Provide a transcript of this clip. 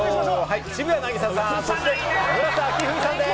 渋谷凪咲さん、そして村瀬哲史さんです。